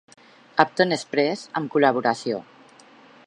Uptown Express amb col·laboració.